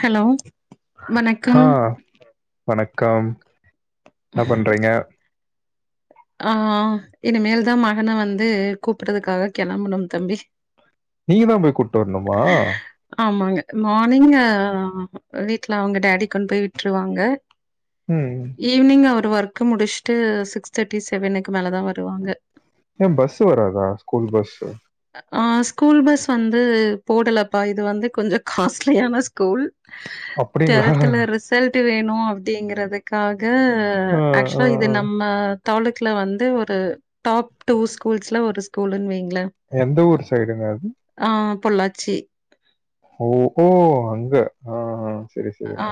Hello, வணக்கம். ஆ வணக்கம் என்ன பண்றீங்க ஆ இனிமேல் தா மகன வந்து கூப்புட்றதுக்காக கெளம்பனும் தம்பி நீங்க தான் போய் கூட்டு வரணுமா ஆமாங்க மார்னிங்க வீட்ல அவுங்க டேடி கொண்டு போய் விட்ருவாங்க ம் ஈவினிங் அவரு ஒர்க்கு முடிச்சுட்டு சிக்ஸ் தேர்ட்டி செவனுக்கு மேல தா வருவாங்க ஏன் பஸ் வராதா ஸ்கூல் பஸ்ஸு ஆ ஸ்கூல் பஸ் வந்து போடலப்பா இது வந்து கொஞ்சோ காஸ்ட்லியான ஸ்கூல் அப்டிங்களா? டுவெல்த்துல ரிசல்ட்டு வேணும் அப்டிங்கறதுக்கா க அ, அ, ஆக்சுவலா இது அ. நம்ம தாலுக்குல வந்து ஒரு டாப் டூ ஸ்கூல்ஸ்ல ஒரு ஸ்கூலுன்னு வைங்ள எந்த ஊர் சைடுங்க அது ஆ பொள்ளாச்சி ஓஹோ இங்க ஆ சரி, ஆ சரிங்க.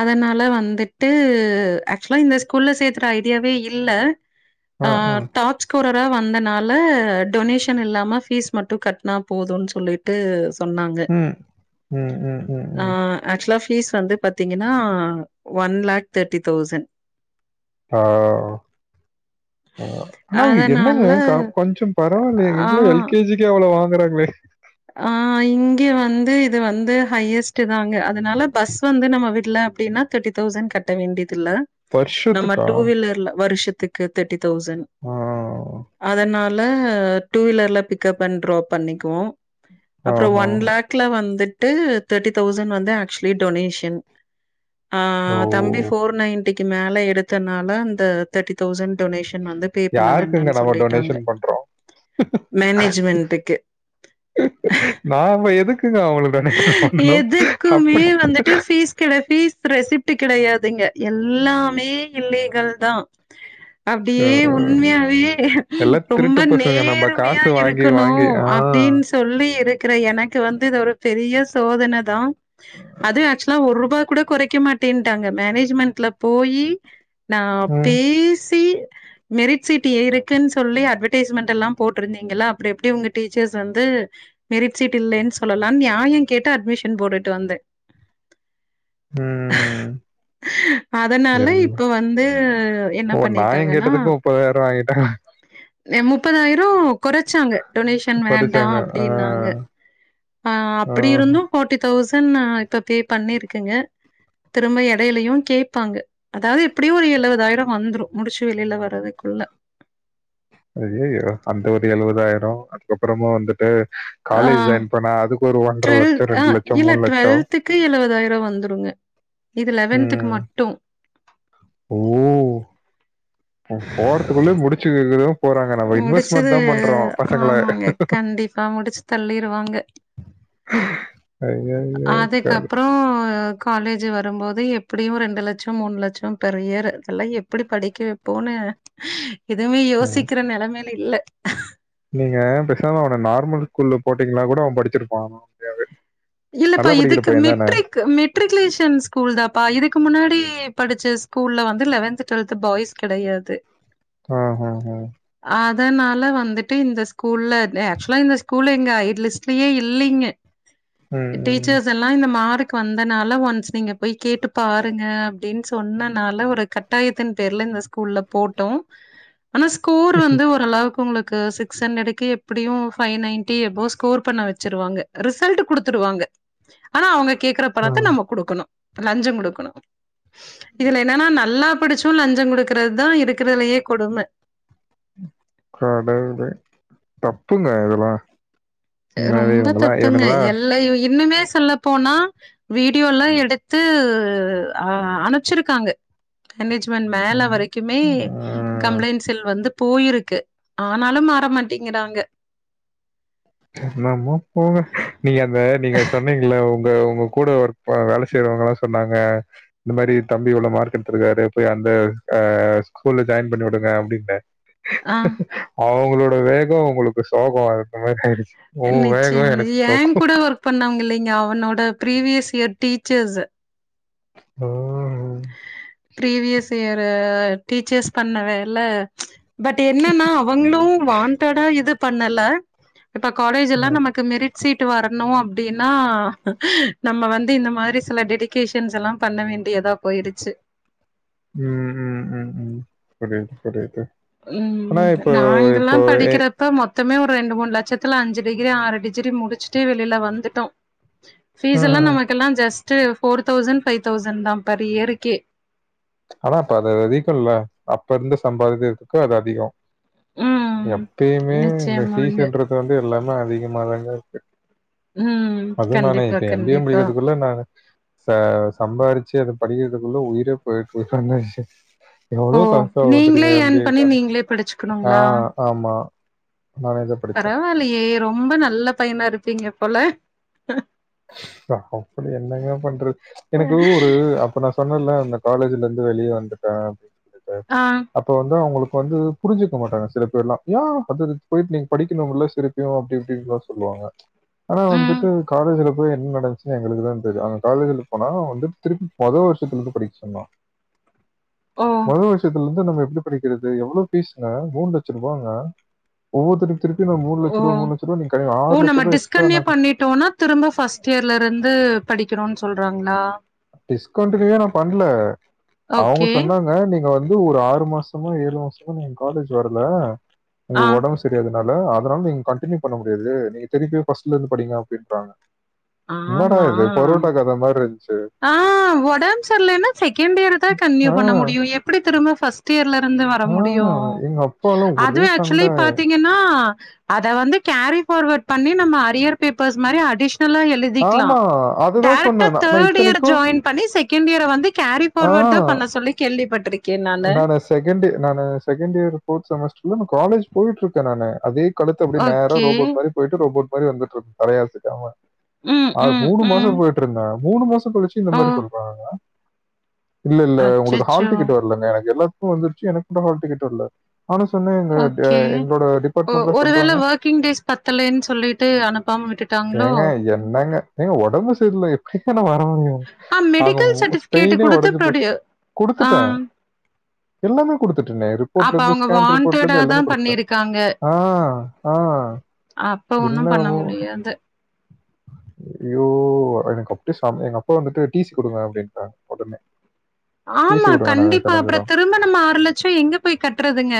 அதனால வந்துட்டு ஆக்சுவலா இந்த ஸ்கூல்ல சேத்துற ஐடியாவே இல்ல அ, அ. அம் டாப்ஸ் ஸ்குரரா வந்தனால டொனேஷன் இல்லாம ஃபீஸ் மட்டு கட்னா போதுன் சொல்லிட்டு சொன்னாங்க ம். ம், ம், ம், ஆ ம். ஆக்சுவலா ஃபீஸ் வந்து பாத்தீங்கன்னா ஒன் லேக் தேட்டி தௌசண் ஆ ஆனா அதனால என்னங்க கா கொஞ்சோ பரவாயில்லே ஆ இவ்ளோ எல் கே ஜி க் கே இவ்ளோ வாங்குறாங்களே ஆ இங்க வந்து இது வந்து ஹையஸ்ட் தாங்க அதனால பஸ் வந்து நம்ம விட்ல அப்டின்னா தேர்டி தேளசண் கட்ட வேண்டியதில்ல நம்ம வருஷத்துக்கா? டூ வீலர்ல வருஷத்துக்கு தேர்ட்டி தௌசண்ட் ஆ. அதனால இல்ல டூ வீலர்ல பிக்கப் பண்ணி ட்ராப் பண்ணிக்குவோ அப்றோ ஆஹ. ஒன் லேக்ல வந்துட்டு தேர்ட்டி தௌசண்ட் வந்து ஆக்சுவலி டொனேஷன் ஆ ஓ! தம்பி போர் நைன்டிக்கு மேல எடுத்தனால அந்த தேர்ட்டி தௌசண்ட் டொனேஷன் வந்து பே பண்ண யாருக்குங்க வேண்டாம்னு நம்ம சொல்லிட்டாங்க டொனேஷன் பண்றோம்? மேனேஜ்மென்ட்க்கு நாம எதுக்குங்க அவளோ டோனேசன் பண்ணணு அப்டி இதுக்கான பீஸ் ரெசிப்ட் கிடையாதுங்க எல்லாமே இல்லீகல் தா ஆ, அப்டியே உண்மயாவே எல்லாம் ரொம்ப திருட்டு பசங்க நம்ம நேர்மையா காசு வாங்கி இருக்கணு வாங்கி ஆ அப்டினு சொல்லி இருக்கற எனக்கு வந்து இது ஒரு பெரிய சோதன தா அதுவு ஆக்சுவலா ஒர் ரூபா கூட கொறைக்க மாட்டேன்ட்டாங்க மேனேஜ்மென்ட்ல போயி நா ம், பேசி மெரிட் சீட் ஏ இருக்குன்னு சொல்லி அட்வர்டைஸ்மெண்ட் எல்லா போட்டிருந்தீங்களா அப்புற எப்படி உங்க டீச்சர்ஸ் வந்து மெரிட் சீட் இல்லேன்னு சொல்லலானு நியாயோ கேட்டு அட்மிஷன் போட்டுட்டு வந்தே ம் ம் ம் அதனால இப்ப வந்து என்ன ஓ நாயம் பண்ணிட்டாங்கன்னா கேட்டதுக்கு முப்பதாயிரம் வாங்கிட்டாங்க எ முப்பதாயிரோ கொராச்சாங்க டொனேஷன் வேண்டா குறைச்சாங்க ஆ, அப்டினாங்க ஆ அப்டி இருந்து ஃபோர்டி தௌசண்ட் இப்ப பே பண்ணிரு [inaudible] திரும்ப இடைலயு கேப்பாங்க அதாவது எப்டியு ஒரு எழுவதாயிரோ வந்துரும் முடிச்சு வெளில வர்றதுக்குள்ள அய்யயோ அந்த ஒரு எழுவதாயிரோ அதுக்கப்புறமா வந்துட்டு ஆ காலேஜ் ஜாயின் பண்ணா அதுக்கு ஒரு ஒன்றரை ட்வெல் லட்சம் ரெண்டு லட்சம் இல்ல மூணு லட்சம் டுவெல்த்துக்கு எழுவதாயிரோ வந்துருங்க இது லெவன்த்துக்கு ம். மட்டு ஓ போறதுக்குள்ளயே முடிச்சுற வேண்டிதா போறாங்க நம்ம முடிச்சது இன்வெஸ்ட்மெண்ட் தா பண்றோ பசங்கள ஆமாங்க. கண்டிப்பா முடிச்சு தள்ளிருவாங்க. கடவுளே. அதுக்கப்றோ அ காலேஜு வரும்போது எப்டியு ரெண்டு லட்சோ மூணு லட்சோ பெர் இயர் அதெல்லா எப்டி வைப்போன்னு எதுவுமே யோசிக்கிற நெலமைல இல்ல நீங்க பேசாம அவன நார்மல் ஸ்கூல்ல போட்டீங்கன்னா கூட அவன் படிச்சிருப்பான் அப்டியாவே இல்லப்பா இதுக்கு மெட்ரிக் மெட்ரிகுலேஷன் ஸ்கூல் தாப்பா இதுக்கு முன்னாடி படிச்ச ஸ்கூல்ல வந்து லெவன்த் டுவெல்த் பாய்ஸ் கெடையாது ஆ ஹ ஹா அதனால வந்துட்டு இந்த ஸ்கூல்ல ஆக்சுவலா ஸ்கூல்ல எங்க ஐட்லிஸ் லயே இல்லைங்க ம், ம். டீச்சர்ஸ் எல் லா இந்த மார்க்கு வந்தனால ஒன்ஸ் நீங்க போய் கேட்டு பாருங்க அப்டின்னு சொன்னனால ஒரு கட் டாயத்தின் பேர்ல இந்த ஸ்கூல்ல போட்டோம் ஆனா ஸ்கோர் வந்து ஓரளவுக்கு உங்களுக்கு சிக் ஸ் ஹண்ட்ரெடுக்கே எப்பிடியு ஃபைவ் நைன்ட்டி அபோவ் ஸ்கோர் பண்ண வெச்சிருவாங்க ரிசல்ட்டு குடு த்துருவாங்க ஆனா அவங்க கேக்கற பணத்த ம். நம்ம குடுக்கணு லஞ்சோ குடுக்கணு இதுல என்னன்னா நல்லா படிச்சு லஞ்சோ குடுக்கறத் தா இருக்கறதுலயே கொடும கடவுளே தப்புங்க இதுலா அ ரொம்ப தப்புங்க எல்லா யு இன்னுமே சொல்லப் போனா வீடியோலா எடுத்து அ அ அனுப்ச்சிருக்காங்க மேனேஜ்மென்ட் மேல ம். வரைக்குமே ம். கம்ப்ளைண்ட்ஸில் வந்து போயிருக்கு ஆனாலு மாற மாட்டேங்கிறாங்க என்னமோ போங்க நீங்க அந்த நீங்க சொன்னீங்கல்ல உங் க உங்க கூட ஒர்க் அ வேல செய்றவங்கல்லா சொன்னாங்க இந்த மாரி தம்பி இவ்ளோ மார்க் எடுத்திருக்காரு போய் அந்த அ ஸ்கூல்ல ஜாயின் பண்ணி விடுங்க அப்டின்னு ஆ அவுங்ளோட வேகோ உங்களுக்கு சோகோ அந்த மாரி ஆயிருச் நிச்சயமா இது ஏங்கூட ஒர்க் பண்ணவங்க இல்லைங்க அவனோட ப்ரீவியஸ் இயர் டீச்சர்ஸு ஓ ப்ரீவியஸ் இயரு டீச்சர்ஸ் பண்ண வேல பட் என்னனா அவங்ளு வான்டடா இது பண்ணல இப்ப காலேஜ் எல்லா ம். நமக்கு மெரிட் சீட்டு வரணு அப்டின்னா நம்ம வந்து இந்த மாரி சில டெடிகேஷன்ஸ் எல்லா பண்ண வேண்டியதா போயிருச்சு ம் ம் ம் ம் புரியிது புரியிது ம் நாங்கல்லா படிக்கிற ப்ப மொத்தமே ஒரு ரெண்டு மூணு லட்சத்துல அஞ்சு டிகிரி ஆறு டிஜிரி முடிச்சுட்டு வெளில வந்துட்டோ ஃபீஸ் ம். எல்லா ம். நமக்கெல்லா just four thousand five thousand தா பர் இயருக்கே ஆனா அப்ப அது அதிகோ இல்ல அப்ப இருந்த சம்பாதியத்துக்கு அது அதிகோ ம் எப்பயுமே இந்த நிச்சயமாங்க ஃபீஸுன்றது வந்து எல்லாமே அதிகமாதாங்க இருக்கு ம் அது நானே கண்டிப்பா இப்ப எம் பி ஏ கண்டிப்பா முடிக்கிறதுக்குள்ள நானு ச சம்பாரிச்சு அது படிக்கிறதுக்குள்ள உயிரே போய்ருச்சு [inaudible] ஓ எவ்ளோ காசாகு நீங்களே தெரியுமா எம் ஏர்ன் பி ஏ க்கு பண்ணி ஆனா நீங்களே ஆ படிச்சுக்கணுங்களா ஆமா மேனேஜர் பரவால்லயே ரொம்ப நல்ல பையனா இருப்பீங்க போல அப்பிடி என்னங்க பண்றது எனக்கு ஒரு அப்ப நா சொன்னல்ல இந்த காலேஜ்லர்ந்து வெளிய வந்துட்டே [inaudible] சொல்ட்டு ஆ அப்போ வந்து அவுங்களுக்க வந்து புரிஞ்சுக்க மாட்டாங்க சில பேர்லா ஏ அடுத்ததுக் போய்ட் நீங் படிக்கணுமில்ல திருப் யு அப்டி இப்டின்லா சொல்லுவாங்க ஆனா ம் வந்துட்டு காலேஜுல போய் என்ன நடந்ச்சுன்னு எங்களுக்கு தா தெரியு அங்க காலேஜுல போனா வந்து திருப்பி மொத வர்ஷத்துலர்ந்து படிக் சொன்னா ஓ மொத வர்ஷத்துலர்ந் து நம்ம எப்டி படிக்கிறது எவ்வளோ ஃபீஸ்ங்க மூணு லட்ச ருபாங்க ஒவ்வொரு தடவ் திருப்பி நா மூணு லட்ச ஓ ருபா மூணு லட்ச ருபா நீங்க கேட்டீங்க ஓ ஆறு லட்ச நம்ம ருபா எக்ஸ்ட்ரா டிஸ்கன்டினியூ நானு பண்ணிட்டோம்னா திரும்ப ஃபஸ்ட் இயர்லருந்து படிக்கணுன் சொல்றாங்ளா டிஸ்கன்ட்டினியூவே நா பண்ல அவுங்க ஓகே சொன்னாங்க நீங்க வந் து ஒரு ஆறு மாசமோ ஏழு மாசமோ நீங்க காலேஜ் வரல ஆ உங்ளுக் ஒடம்பு செரியாதனால அதனால நீங்க கன்ட்டினியூ பண்ண முடியாது நீங்க திருப்பியு ஃபஸ்ட்லர்ந்து படிங்க அப்டின்ட்டாங்க என்னடா ஆமா இது பொரோட்டா கத மார்ருந்ச்சு ஆ ஒடம் செர்லீனா செகண்ட் இயர் தா கண்டினியூ ஆ, பண்ண முடியு எப்டி திரும்ப ஃபர்ஸ்ட் இயர்ல இருந்து வர ஆ, முடியு எங்க அப்பாலாம் ஒரே அதுவே ஆக்சுலி சண்டை பாத்தீ ங்னா அத வந்து கேரி பார்வட் பண்ணி நம்ப அரியர் பேப்பர்ஸ் மாரி அடிஷ்னலா எ ழுதிக்லா ஆமா அதுதான் டேரக்டா சொன்னேன் நான் நான் தேட் இயர் இத்தனைக்கும் ஜாயின் பண்ணி செகண்ட் இயர வந்து கேரி ஃபார்வட் தா பண்ண சொல்லி கேள்விப் பட்டுரு நானு செகண்ட்டு நானு செகண்ட் இயர் ஃபோர்த் செமஸ்டர்ல நா காலேஜ் போய்ட்ருக்கே நானு அதே கடுத்து அப்டி நேரா ஓகே ரோபோட் மாரி போய்ட்டு ரோபோட் மாி வந்துட்ருக் தலையசிக்காம ம் ஆ ம் மூணு மாசோ ம் போய்ட்ருந்தே மூணு மாச கழிச்சி இந்த ஓ மாரி சொல்றாங்கங்க இல்ல இல்ல உங்களுக்கு ஹால் அச்சச்சோ டிக்கட் வர்ல்லங்க எனக்கு எல்லாத்துக்கு வந்துருச்சி எனக் தாங்க ஹால் டிக்கட் வரல ஆனா சொன்னேங்க அ ஓகே எங்ளோட ஒ டிபாட்மென்ட்ல ஒருவேள சொல்றாங்க ஒர்க்கிங் டேஸ் பத்தலைன்னு சொல்லிட்டு அனுப்பாம விட்டுட்டாங்களோ ஏங்க என்னங்க ஏங்க ஒடம்பு செரில எப்டிங்க நா வர முடியு ஆ ஆக மெடிக்கல் மு சர்டிபிகேட் ஸ்பெயினே குடுத்து ஒடஞ்சி போச்சி ப்ரொடியூ ஆ குடுத்துட்ட எல்லாமே குடுத்துட்டனே ரு ரிப்போட்ல அப்ப இருந்து அவங்க ஸ்கேன் வாண்டடா ரிப்போட்லந்து தா எல்லாமே குடுத்துட்ட பண்ணிருக்காங்க ஆ ஆ அப்ப ஒன்னு பண்ண முடியாது [inaudible] ஐய்யோ எனக்கு அப்டியே செமயா எங்க அப்பா வந்துட்டு டி சி குடுங்க அப்டின்ட்டாங்க ஒடனே ஆமா கண்டிப்பா அப்றோ திரும்ப நம்ம ஆறு லட்சோ எங்க போயி கட்றதுங்க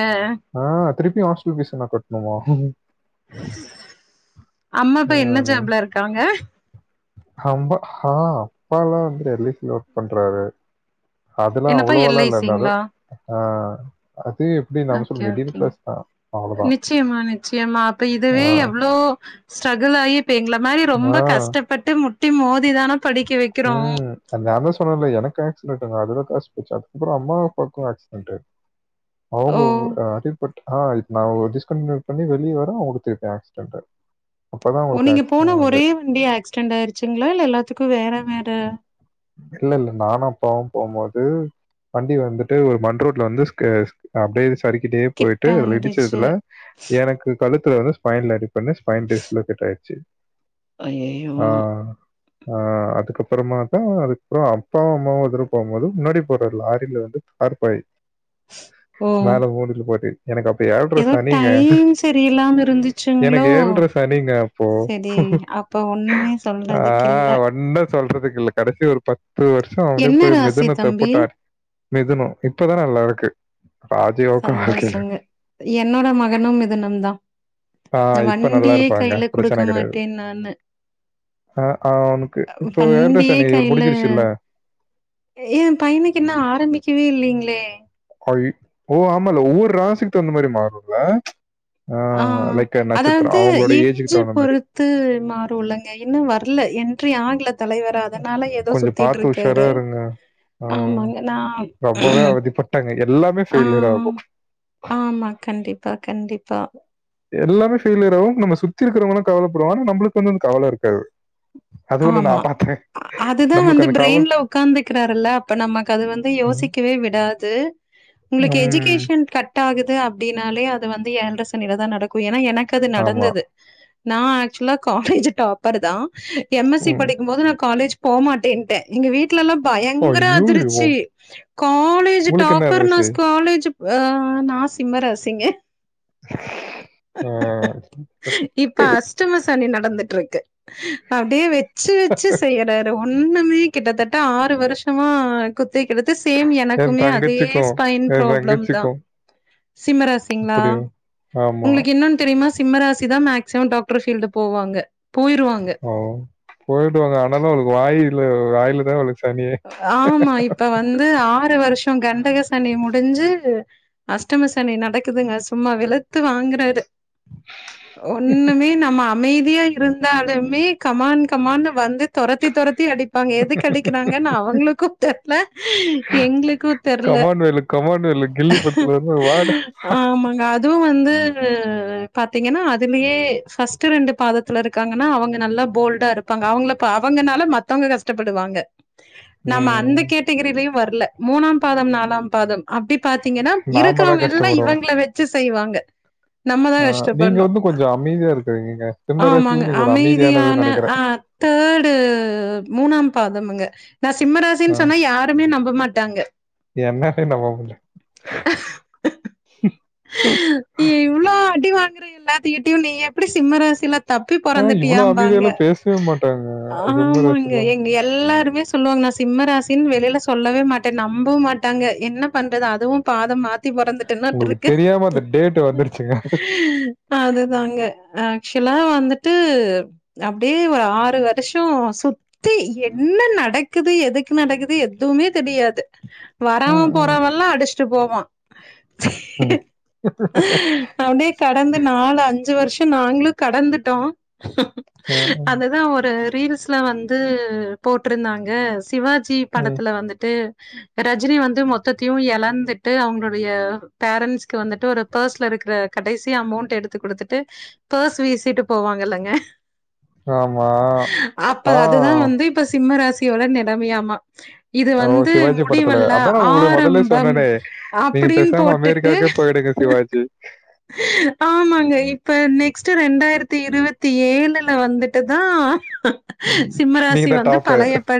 ஆ திருப்பி ஹாஸ்டல் பீஸு நா கட்னுமா அம்மா ஆ, அப்பா என்ன நீ ஜாப்ல இருக்காங்க அம்மா ஆ அப்பாதா வந்து எல் ஐ சில ஒர்க் பண்றாரு அதெல்லா என்னப்பா அவ்ளோவோல்லா எல் ஐ இல்ல வரு சிங்களா ஆ அது எப்படி நம்ம ஓகே சொல்ல மிடில் ஓகேங்க கிளாஸ் தான் அவ்வளோதான் நிச்சயமா நிச்சயமா அப்ப இதுவே ஆ எவ்ளோ ஸ்ட்ரகுள் ஆயி இப்ப எங்கள மாரி ஆ. ரொம்ப கஷ்டப்பட்டு முட்டி மோதி தான படிக்க வைக்கிறோம். ம் அ நாந்தா சொன்னல்ல எனக்கு ஆக்சிடன்ட்ங்க அதுல காசு போச்சி அதுக்கப்றோ அம்மா அப்பாக்கு ஆக்சிடன்ட்டு ஓ! அவுங்க கூட அ அடி பட் அ நா ஒரு டிஸ்கன்டினியூ பண்ணி வெளிய வர அவுங்களுக்கு திருப்பி ஆக்சிடன்ட்டு அப்பதா ஓ அவுங்களுக்கு நீங்க ஆச்சிடன்ட் போன ஆனது ஒரே வண்டி ஆக்சிடென்ட் ஆயிர்ச்சுங்ளா இல்ல எல்லாத்துக்கு வேற வேற இல்ல இல்ல நானு அப்பாவூ போ மோது வண்டி வந்துட்டு ஒரு மண்ரோட்ல வந்து ஸ்கே அப்டியே சறிக்கிட்டே கிட்ட போய்ட்டு அதுல ஆயிடுச்சு. இடிச்சதுல எனக்கு கழுத்துல வந்து பைன்ல அடிபன்னு ஸ்பைன் டிஸ்ல கட் ஆய்ர்ச்சி ஐயய்யோ! ஆ ஆ அதுக்கப்றமா தா அதுக்கப்றோ அப்பாவு அம்மாவு ஒரு தரவ போகு மோது முன்னாடி போற லாரில வந்து கார் போய் ஓ! மேல மூடில போட்டு எனக்கு அப்ப ஏழ்ர ஏதோ சனிங்க டைம் சரியில்லாம எனக்கு இருந்துச்சுங்களோ? ஏழ்ர சனிங்க ஃபோ சரி, அப்ப ஒண்ணுமே ஆ சொல்றதுக்கு இல்ல. ஒன்னு சொல்றதுக்கில்ல கடைசி ஒரு பத்து வருஷோ அப்டியே என்ன போய் ராசி மிதுனத்த தம்பி? போட்டு அடி மிதுனோ இப்பதா நல்லார்க்கு ராஜ சந்தோஷங்க என்னோட மகனு மிதுனந்தா நா ஆஹ் இப்ப நல்லா வண்டியே இருப்பாங்க கைல குடுக்க பிரச்சனை மாட்டே நானு ஆ ஆ அவனுக்கு இப்போ ஏழ்ற சனி முடிஞ்சிருச்சில்ல ஏ பையனுக்கு இன்னு ஆரம்பிக்கவே இல்லிங்ளே ஐ ஓ ஆமாால ஒவ்வொரு ராசிக்கு தகுந்த மாரி மாறுல்ல ஆ லைக் எ நட்சத்திரொம் அவுங்களோட ஏஜுக்கு தகுந்த மாரி த்து மாறுள்ளங்க இன்னு வரல என்ட்றி ஆகல தலைவர் அதனால ஏதோ கொஞ்சம் சுத்திட்டு பார்த்து உஷாரா இருக்காரு இருங்க ஆஹ் ஆமாங்க நா ரொம்பவே அவதிப்பட்டாங்க எல்லாமே ஆ ஃபெயிலியர் ஆகும் ஆமா கண்டிப்பா கண்டிப்பா எல்லாமே ஃபேயிலியர் ஆவும் நம்ம சுத்தி இருக்கவங்கலா கவலப்படுவாங்க ஆனா நம்ளுக்கு வந்து கவல இருக்காது அது ஒன்னு நா ஆமா பாத்த அதுதா வந்து பிரெயின்ல உக்காந்துக்றாருல்ல அப்ப நமக்கு அது வந்து யோசிக்கவே விடாது உங்களுக்கு ம், எஜுகேஷன் கட் ட்டாகுது அப்டின்னாலே அது வந்து ஏழ்ர சனில தான் நடக்கும் ஏனா எனக்கு அது ஆமா நடந்தது நா ஆக்சுவலா காலேஜு டாப்பர் தான் எம் எஸ் சி ம். படிக்குமோது நா காலேஜ் போமாட்டேன்ட்டே எங்க வீட் விட்லல்லா பயங்கர ஐயோ அதிர்ச்சி காலேஜ் உங்களுக்கு என்ன டாப்பர் நா இருந்துச்சு காலேஜ் வே நா சிம்மராசிங்க ஆ அத்தும சனி நடந்துட்டுருக்கு அப்டியே வெச்சு வெச்சு செய்றாரு ஒண்ணுமே கிட்டத்தட்ட ஆறு வருஷமா குத்துக்கிடுத்து சேம் என் எனக்குமே அதே தங்கச்சிக்கும் ஸ்பைன் என் ப்ராப்ளம் தான் தங்கச்சிக்கும் சிம்மராசிங்களா அப்படியா ஆமா உங்களுக்கு இன்னொன் தெரிமா சிம்மராசி தான் மேக்சிமம் டாக்டர் பீல்டு போவாங்க போயிருவாங்க ஓ போயிடுவாங்க ஆனாலும் உங்ளுக்கு வாயில வாயில தான் உளுக்கு ஆமா இப்ப வந்து ஆறு வருஷம் கண்டக சனி முடிஞ்சு அஷ்டம சனி நடக்குதுங்க சும்மா வெளுத்து வாங்குறாரு ஒண்ணுமே நம்ம அமைதியா இருந்தாலுமே கம்மான் கம்மாண்னு வந்து தொரத்தி தொரத்தி அடிப்பாங்க எதுக்கு அடிக்குறாங்க ஏன்னா அவுங்களுக்கும் தெரில எங்களுக்கும் தெர்ல போட்டில்லி கில்லி படத்துல வந்து வாடா ஆமாங்க அதுவும் வந்து பாத்தீங்கன்னா அதுலயே ஃபஸ்ட் ரெண்டு பாதத் துல இருக்காங்கன்னா அவுங்க நல்லா போல்டா இருப்பாங்க அவுங்கள அவுங்கனால மத்தவங்க கஷ்டப்படுவாங்க நம்ம அந்த ம், கேட்டகிரிலயும் வரல மூணாம் பாதம் நாலாம் பாதம் அப்டி பாத்தீங்ன்னா நாம தான் இருக்கறவங்க எல்லாம் கஷ்டப்படுவோம் இவுங்கள வெச்சு செய்வாங்க ஆ, நம்மதான் நீங்க கஷ்டப்பட்னோ வந்து கொஞ்சம் அமைதியா இருக்கிறீங்கங்க. சிம்ம ஆமாங்க ராசில நீங்க ஒரு அமைதியானதுன்னு அமைதியான நெனைக்கிறேன். ஆ தேர்டு மூணாம் பாதம்ங்க நான் ஆ சிம்மராசின் சொன்னா யாருமே நம்ப மாட்டாங்க என்னாலே நம்ப முடியல. இவ்வளோ அடி வாங்குற எல்லாத்தகிட்டயும் நீ எப்டி சிம்மராசில தப்பி ஆ இவ்ளோ பொறந்துட்டியாம்பாங்க அமைதியாலாம் பேசவே மாட்டாங்க. சிம்ம ஆமாங்க ராசிலாம். எங்க எல்லாருமே சொல்லுவாங்க நான் சிம்மராசின் வெளியில சொல்லவே மாட்டேன் நம்பவும் மாட்டாங்க என்ன பண்றது அதுவும் பாதம் மாத் த்தி பொறந்துட்டனா உங்களுக்கு ட்ரிக் தெரியாம அந்த டேட் வந்துடுச்சுங்க அதுதாங்க ஆக்சுவலா வந்துட்டு அப்டியே ஒரு ஆறு வருஷம் சுத் த்தி என்ன நடக்குது எதுக்கு நடக்குது எதுவுமே தெரியாது ம், வராவன் ம். போறாவயெல்லாம் அடிச்சுட்டு போவான் ம். அவனே கடந்து நாலு அஞ்சு வருஷ நாங்களு கடந்துட்டோ ஆ, அதுதா ஒரு ரீல்ஸ்ல வந்து போட்ருந்தாங்க சிவா ஜி ம். படத்துல வந்துட்டு ரஜினி வந்து மொத்தத்தையு எழந்துட்டு அவுங்களுடைய பேரன்ட்ஸ்க்கு வந்துட்டு ஒரு பெர்ஸ் ல இருக்குற கடைசி அமௌண்ட் எடுத்து குடுத்துட்டு பர்ஸ் வீசிட்டு போவாங்க இல்லங்க ஆமா. அப்ப ஆ. அதுதா வந்து இப்ப சிம்ம ராசியோட நிலைமையாமா இது ஓ! வந்து சிவாஜி படத்துல. முடிவல்ல அதான் நான் உங்களுக்கு ஆரம்பம் அப்டினு போட் அமெரிக்காக்கே போயிடுங்க சிவாஜி ஆமாங்க இப்ப நெக்ஸ்ட்டு ரெண்டாயிரத்தி இருவத்தி ஏழுல வந்துட்டுதா ம். சிம்ம நீங்க ராசி தான் வந்து டாப்பு. பழையப்ப